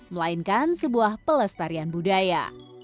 melainkan sebuah pelestarian budaya